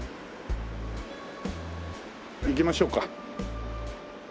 行きましょうか。